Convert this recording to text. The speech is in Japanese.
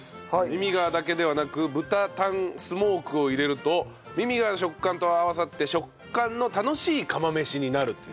ミミガーだけではなく豚タンスモークを入れるとミミガーの食感と合わさって食感の楽しい釜飯になると。